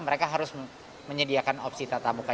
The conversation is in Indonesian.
mereka harus menyediakan opsi tatap muka